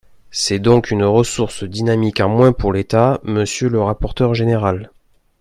C’est donc une ressource dynamique en moins pour l’État, monsieur le rapporteur général